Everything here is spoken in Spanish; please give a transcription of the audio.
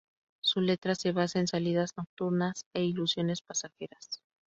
Su letra se basa en salidas nocturnas e ilusiones pasajeras.